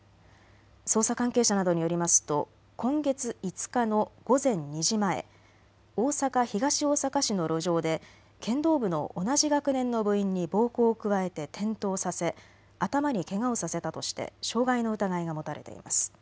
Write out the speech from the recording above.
捜査関係者などによりますと今月５日の午前２時前、大阪東大阪市の路上で剣道部の同じ学年の部員に暴行を加えて転倒させ頭にけがをさせたとして傷害の疑いが持たれています。